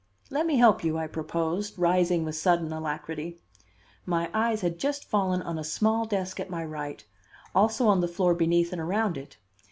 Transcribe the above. "Let me help you," I proposed, rising with sudden alacrity. My eyes had just fallen on a small desk at my right, also on the floor beneath and around it.